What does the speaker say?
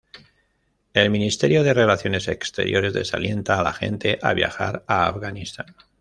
El Ministerio de Relaciones Exteriores desalienta a la gente a viajar a Afganistán.